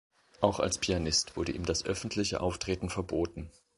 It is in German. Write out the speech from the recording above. Auch als Pianist wurde ihm das öffentliche Auftreten verboten.